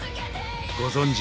ご存じ